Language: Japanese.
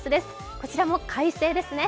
こちらも快晴ですね。